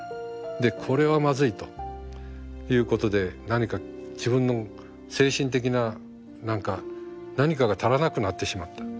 でこれはまずいということで何か自分の精神的な何か何かが足らなくなってしまった。